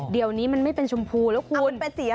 เดี๋ยวนี้มันไม่เป็นชมพูแล้วคุณ